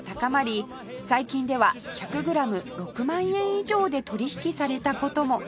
最近では１００グラム６万円以上で取引された事も